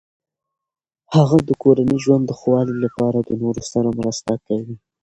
هغه د کورني ژوند د ښه والي لپاره د نورو سره مرسته کوي.